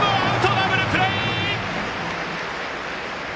ダブルプレー！